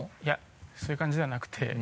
いやそういう感じではなくて。